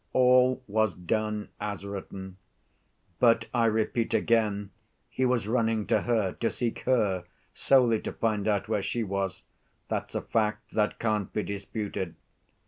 'All was done as written.' But, I repeat again, he was running to her, to seek her, solely to find out where she was. That's a fact that can't be disputed.